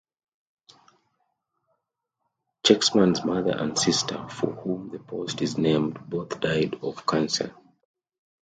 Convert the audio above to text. Schekman's mother and sister, for whom the post is named, both died of cancer.